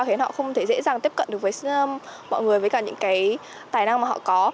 thế họ không thể dễ dàng tiếp cận được với mọi người với cả những cái tài năng mà họ có